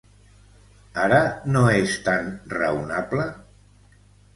Ara, no és tan raonable?